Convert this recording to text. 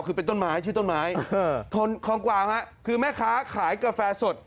คือแม่ค้าขายเกฟสด